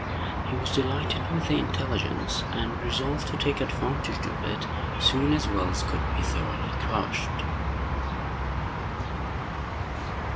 He was delighted with the intelligence, and resolved to take advantage of it soon as Wells could be thoroughly crushed.